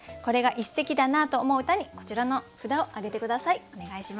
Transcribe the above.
これが一席だなと思う歌にこちらの札を挙げて下さい。